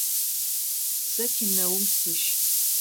Сэ кинэум сыщ.